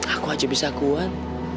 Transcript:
aku aja bisa kuat